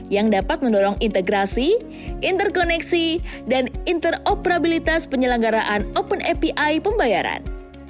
yang dapat mendorong integrasi interkoneksi dan interoperabilitas penyelenggaraan open api pembayaran